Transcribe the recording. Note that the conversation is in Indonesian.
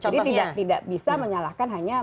jadi tidak bisa menyalahkan hanya